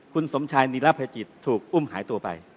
คุณสมชายนิรภัยจิตถูกอุ้มหายตัวไป